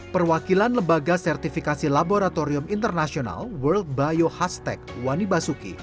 perwakilan lembaga sertifikasi laboratorium internasional world bio hashtag wani basuki